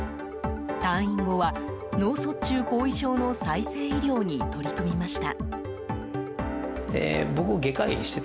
退院後は脳卒中後遺症の再生医療に取り組みました。